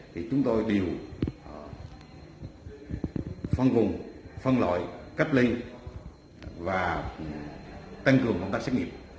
thì chúng tôi đều phân vùng phân loại cách ly và tăng cường công tác xét nghiệm